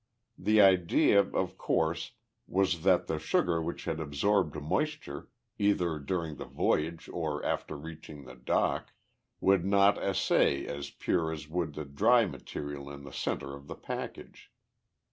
The idea, of course, was that the sugar which had absorbed moisture, either during the voyage or after reaching the dock would not "assay" as pure as would the dry material in the center of the package.